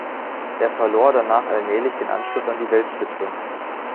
Er verlor danach allmählich den Anschluss an die Weltspitze.